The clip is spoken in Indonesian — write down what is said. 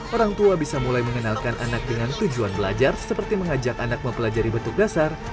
orang tua bisa mulai mengenalkan anak dengan tujuan belajar seperti mengajak anak mempelajari bentuk dasar